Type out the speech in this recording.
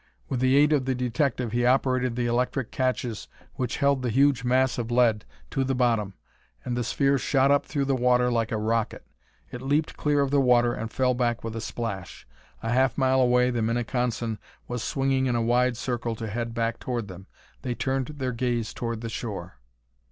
With the aid of the detective he operated the electric catches which held the huge mass of lead to the bottom, and the sphere shot up through the water like a rocket. It leaped clear of the water and fell back with a splash. A half mile away the Minneconsin was swinging in a wide circle to head back toward them. They turned their gaze toward the shore.